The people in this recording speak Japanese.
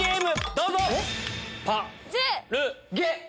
どうぞ。